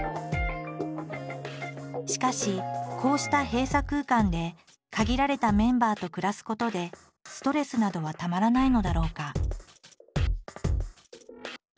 しかしこうした閉鎖空間で限られたメンバーと暮らすことでストレスなどはたまらないのだろうか？